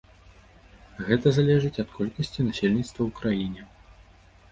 Гэта залежыць ад колькасці насельніцтва ў краіне.